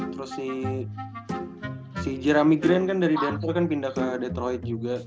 terus si jeremy grant kan dari denver kan pindah ke detroit juga